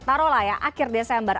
taruh lah ya akhir desember